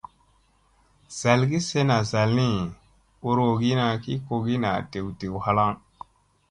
Zalgi sena zalni ɓorowogina ki kogi naa dew dew halaŋ.